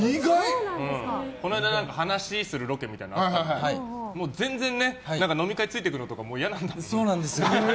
この間、話するロケみたいなのがあって全然ね、飲み会ついてくるとかもそうなんです。